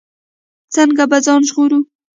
څنګه به ځان ژغورو.